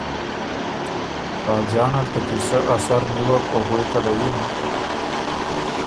خاجان ال ته قیصۀ ا سر نیوک او غوېکه له یِن۔